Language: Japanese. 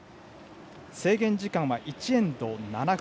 制限時間は１エンド７分。